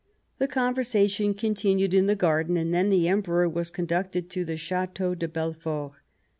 The conversation continued in the garden, and then the Emperor was conducted to the Chateau de Belfort.